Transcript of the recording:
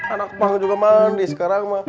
anak pang juga mandi sekarang ma